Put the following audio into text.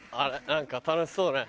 何か楽しそうだね。